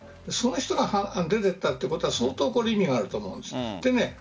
その人が出ていったということは相当、意味があると思うんです。